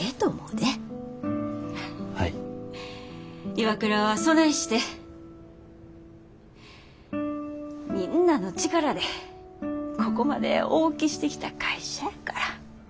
ＩＷＡＫＵＲＡはそないしてみんなの力でここまで大きしてきた会社やから。